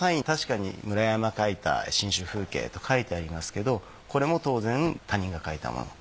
確かに「村山槐多信州風景」と書いてありますけどこれも当然他人が書いたもの。